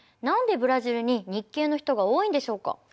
何でブラジルに日系の人が多いんでしょうか？